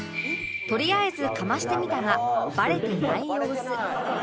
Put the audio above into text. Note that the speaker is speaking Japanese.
とりあえずかましてみたがバレていない様子